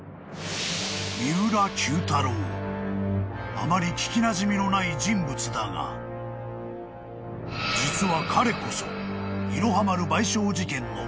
［あまり聞きなじみのない人物だが実は彼こそ］